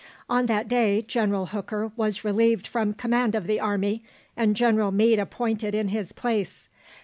On that day, General Hooker was relieved from command of the army, and General Meade appointed in his place.